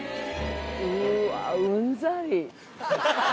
うわぁー、うんざり。